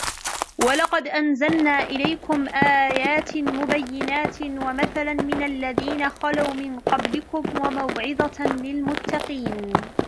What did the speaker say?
ولقد أنزلنا إليكم آيات مبينات ومثلا من الذين خلوا من قبلكم وموعظة للمتقين